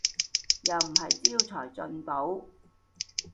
又唔係招財進寶